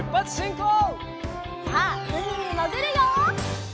さあうみにもぐるよ！